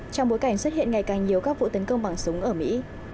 trong bối cảnh xuất hiện ngày càng nhiều các vụ tấn công bằng súng ở mỹ